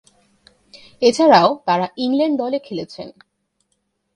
এছাড়াও তারা ইংল্যান্ড দলে খেলেছেন।